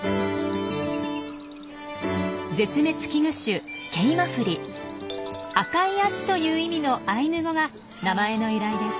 絶滅危惧種「赤い足」という意味のアイヌ語が名前の由来です。